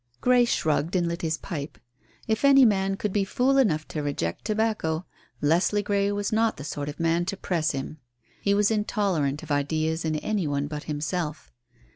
Grey shrugged and lit his pipe. If any man could be fool enough to reject tobacco, Leslie Grey was not the sort of man to press him. He was intolerant of ideas in any one but himself.